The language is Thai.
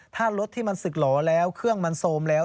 ถ้ารถที่มันสึกหล่อแล้วเครื่องมันโซมแล้ว